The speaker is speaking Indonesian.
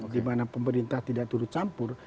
di mana pemerintah tidak turut campur